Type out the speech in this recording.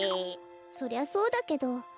そりゃそうだけど。